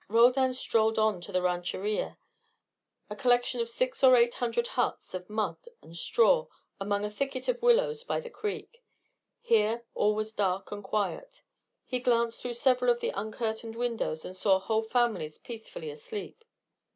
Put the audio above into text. Roldan strolled on to the rancheria, a collection of six or eight hundred huts of mud and straw among a thicket of willows by the creek. Here all was dark and quiet. He glanced through several of the uncurtained windows and saw whole families peacefully asleep.